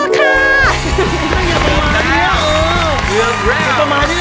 จุดต่อมานี่เลย